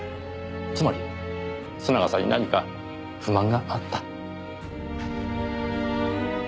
つまり須永さんに何か不満があった？